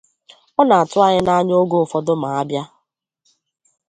Ọ na-atụ anyị n'anya oge ụfọdụ ma a bịa